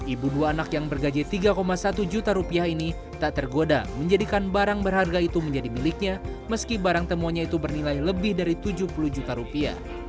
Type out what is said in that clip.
ibu dua anak yang bergaji tiga satu juta rupiah ini tak tergoda menjadikan barang berharga itu menjadi miliknya meski barang temuannya itu bernilai lebih dari tujuh puluh juta rupiah